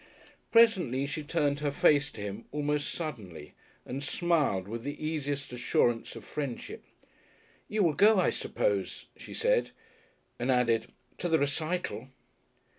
Presently she turned her face to him almost suddenly, and smiled with the easiest assurance of friendship. "You will go, I suppose," she said, and added, "to the Recital."